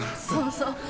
そうそう。